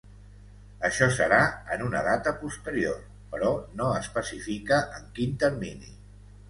Això serà ‘en una data posterior’, però no especifica en quin termini.